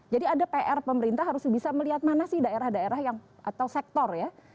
jadi ada pr pemerintah harus bisa melihat mana sih daerah daerah yang atau sektor ya